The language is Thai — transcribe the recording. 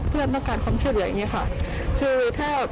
เพื่อนต้องการความเคลื่อนเหลืออย่างเงี้ยค่ะคือถ้า